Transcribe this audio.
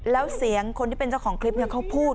แล้วเสียงคนที่เป็นเจ้าของคลิปเขาพูด